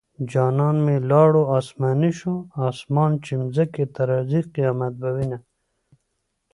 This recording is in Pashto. جانان مې لاړو اسماني شو اسمان چې ځمکې ته راځي قيامت به وينه